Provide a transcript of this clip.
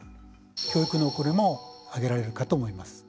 教育の遅れも挙げられるかと思います。